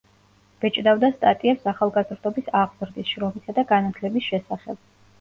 ბეჭდავდა სტატიებს ახალგაზრდობის აღზრდის, შრომისა და განათლების შესახებ.